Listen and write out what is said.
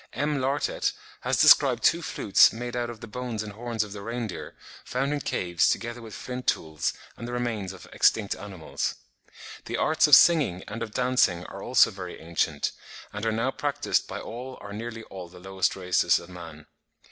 M. Lartet has described two flutes made out of the bones and horns of the reindeer, found in caves together with flint tools and the remains of extinct animals. The arts of singing and of dancing are also very ancient, and are now practised by all or nearly all the lowest races of man.